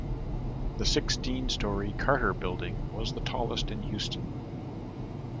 The sixteen-story Carter Building was the tallest in Houston.